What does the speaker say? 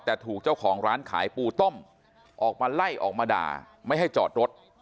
แต่ถูกเจ้าของร้านขายปูต้มออกมาไล่ออกมาด่าไม่ให้จอดรถ